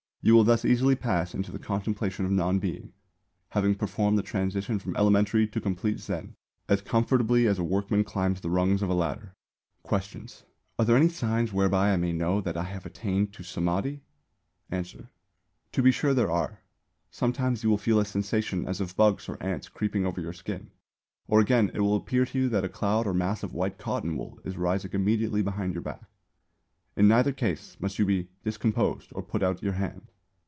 You will thus easily pass into the contemplation of non Being, having performed the transition from elementary to complete Zen as comfortably as a workman climbs the rungs of a ladder. Question. Are there any signs whereby I may know that I have attained to Samādhi? Answer. To be sure there are. Sometimes you will feel a sensation as of bugs or ants creeping over your skin; or again, it will appear to you that a cloud or mass of white cotton wool is rising immediately behind your back. In neither case must you be discomposed or put out your hand.